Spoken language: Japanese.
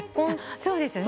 そうですよね。